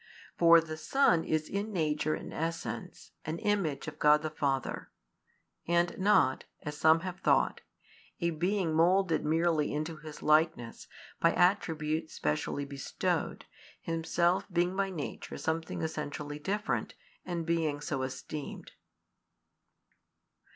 For the Son is in nature and essence an Image of God the Father, and not (as some have thought) a Being moulded merely into His likeness by attributes specially bestowed, Himself being by nature something essentially different, and being so esteemed.